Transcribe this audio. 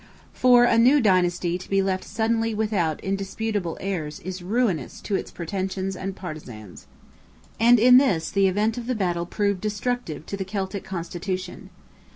For a new dynasty to be left suddenly without indisputable heirs is ruinous to its pretensions and partizans. And in this the event of the battle proved destructive to the Celtic Constitution.